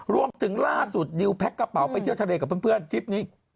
รวมถึงล่าสุดดิวแพ็คกระเป๋าไปเที่ยวทะเลกับเพื่อนทริปนี้